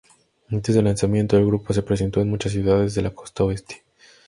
Antes del lanzamiento, el grupo se presentó en muchas ciudades de la costa oeste.